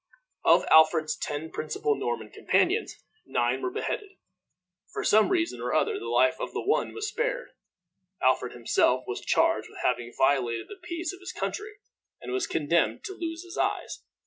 Of Alfred's ten principal Norman companions, nine were beheaded. For some reason or other the life of one was spared. Alfred himself was charged with having violated the peace of his country, and was condemned to lose his eyes.